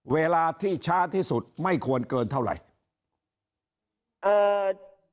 เวลาที่ช้าที่สุดไม่ควรเกินเท่าไหร่